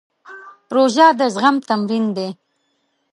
روژه د زغم تمرین دی.